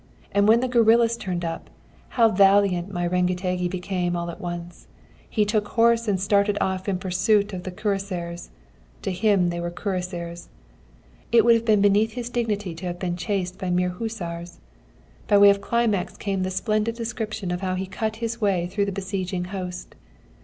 And when the guerillas turned up, how valiant my Rengetegi became all at once! He took horse and started off in pursuit of the cuirassiers. (To him they were cuirassiers!) It would have been beneath his dignity to have chased mere hussars.... By way of climax came the splendid description of how he cut his way through the besieging host.